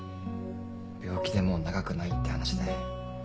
病気でもう長くないって話で。